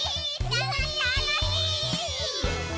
たのしい！